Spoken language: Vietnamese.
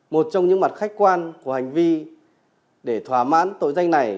một trong những mặt khách quan của hành vi để thỏa mãn tội danh này